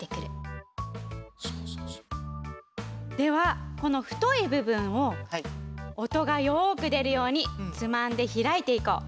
ではこのふといぶぶんをおとがよくでるようにつまんでひらいていこう。